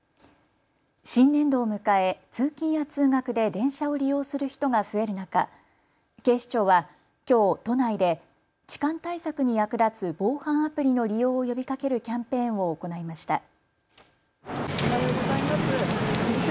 新年度を迎え通勤や通学で電車を利用する人が増える中、警視庁はきょう都内で痴漢対策に役立つ防犯アプリの利用を呼びかけるキャンペーンを行いました。